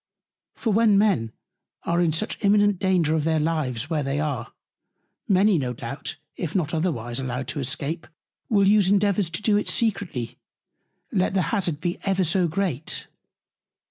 For when Men are in such imminent Danger of their Lives, where they are; many, no doubt, if not otherwise allowed to escape, will use Endeavours to do it secretly, let the Hazard be ever so great.